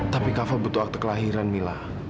tapi kafal butuh akte kelahiran mila